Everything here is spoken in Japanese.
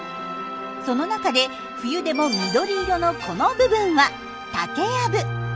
その中で冬でも緑色のこの部分は竹やぶ。